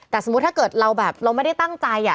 แต่สมมุติถ้าเกิดเราแบบเราไม่ได้ตั้งใจ